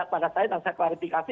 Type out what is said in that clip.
kepada saya dan saya klarifikasi